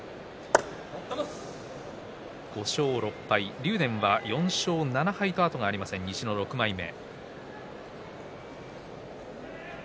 ５勝６敗、竜電は４勝７敗と後がありません、西の６枚目。